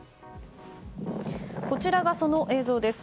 こちらがその映像です。